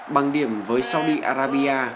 bằng điểm với saudi arabia